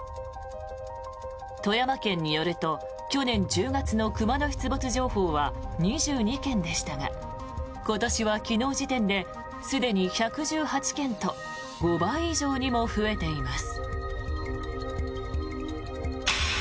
富山県によると去年１０月の熊の出没情報は２２件でしたが今年は昨日時点ですでに１１８件と５倍以上にも増えています。